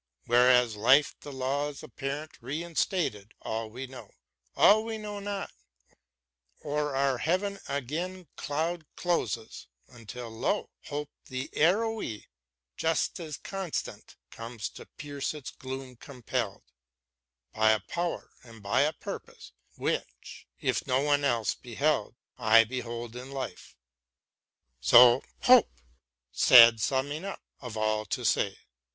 Whereas, life and laws apparent reinstated, — all we know, All we know not — o'er our heaven again cloud closes, until, lo — Hope the arrowy, just as constant, comes to pierce its gloom compelled By a power and by a purpose which, if no one else beheld, I behold in life, so — hope ! Sad summing up of all to say